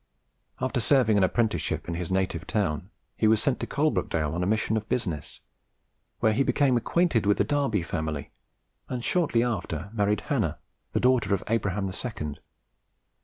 After serving an apprenticeship in his native town, he was sent to Coalbrookdale on a mission of business, where he became acquainted with the Darby family, and shortly after married Hannah, the daughter of Abraham the second.